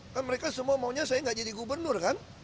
kan mereka semua maunya saya nggak jadi gubernur kan